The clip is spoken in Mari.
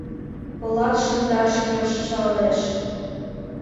Полат шындаш келшалеш.